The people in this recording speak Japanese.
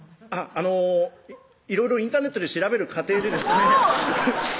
あのいろいろインターネットで調べる過程でですね